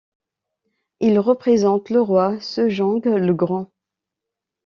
Il représente le roi Sejong le Grand.